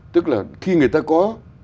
tức là khi người ta có